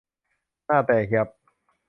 หน้าแตกยับ !